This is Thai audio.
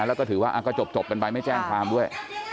แล้วก็ถือว่าก็จบกันไปไม่แจ้งความด้วย